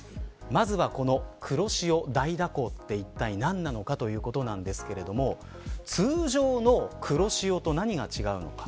まずはこの黒潮大蛇行っていったい何なのかということですが通常の黒潮と何が違うのか。